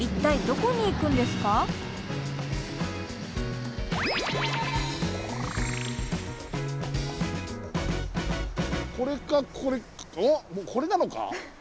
これかこれおっこれなのか？